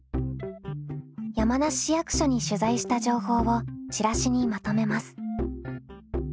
山梨市役所に取材した情報をチラシにまとめます。